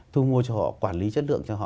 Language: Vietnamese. thu mua cho họ quản lý chất lượng cho họ